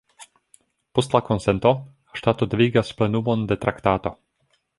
Post la konsento, ŝtato devigas plenumon de traktato.